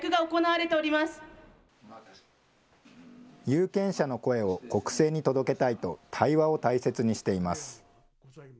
有権者の声を国政に届けたいと、対話を大切にしています。